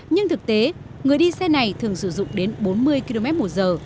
nhưng thực tế người đi xe này thường sử dụng đến bốn mươi km một giờ